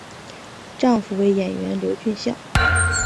丈夫为演员刘俊相。